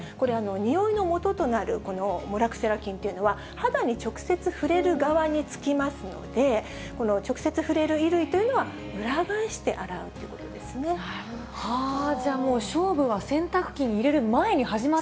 においのもととなるモラクセラ菌っていうのは、肌に直接触れる側に付きますので、この直接触れる衣類というのは、じゃあ、もう勝負は洗濯機にそうなんです。